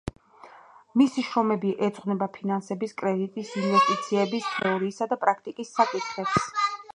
მისი შრომები ეძღვნება ფინანსების, კრედიტის, ინვესტიციების თეორიისა და პრაქტიკის საკითხებს.